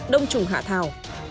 đông trùng hạ thảo